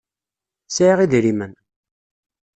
Sɛiɣ idrimen.